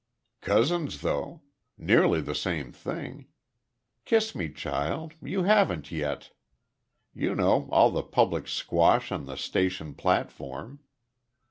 "Cousins, though. Nearly the same thing. Kiss me, child. You haven't yet. You know all the public squash on the station platform."